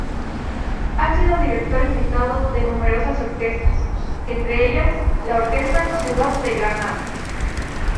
Ha sido director invitado de numerosas orquestas, entre ellas la Orquesta Ciudad de Granada.